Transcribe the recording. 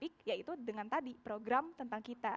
revitalisasi pik yaitu dengan tadi program tentang kita